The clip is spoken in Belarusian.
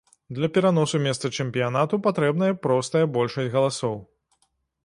Для пераносу месца чэмпіянату патрэбная простая большасць галасоў.